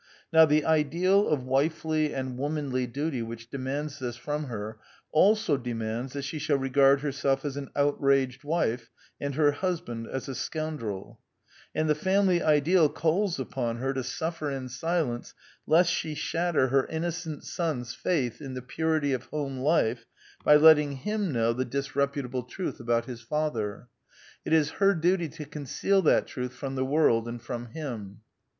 Now the ideal of wifely and womanly duty which demands this from her also demands that she shall regard herself as an out raged wife, and her husband as a scoundrel. And the family ideal calls upon her to suflfer in silence lest she shatter her innocent son's faith in the purity of home life by letting him know the dis 94 "^^^ Quintessence of Ibsenism reputable truth about his father. It is her duty to conceal that truth from the world and from him.